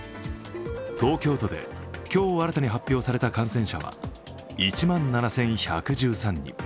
東京都で今日新たに発表された感染者は１万７１１３人。